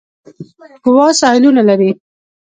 ګوا ساحلونه لري.